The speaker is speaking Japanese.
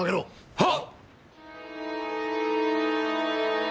はっ！